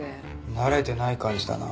慣れてない感じだな。